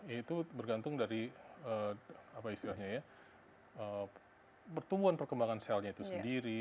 ya itu bergantung dari apa istilahnya ya pertumbuhan perkembangan selnya itu sendiri